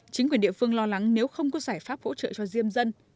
chính quyền địa phương lo lắng nếu không có giải pháp hỗ trợ cho diêm dân